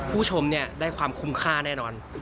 ผู้ชมเนี่ยได้ความคุ้มค่าแน่นอน